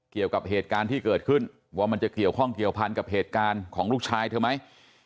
เกี่ยวกับเหตุการณ์ที่เกิดขึ้นว่ามันจะเกี่ยวข้องเกี่ยวพันกับเหตุการณ์ของลูกชายเธอไหม